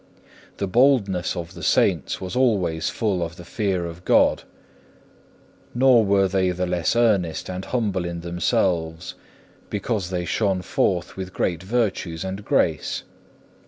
The boldness of the Saints was always full of the fear of God. Nor were they the less earnest and humble in themselves, because they shone forth with great virtues and grace.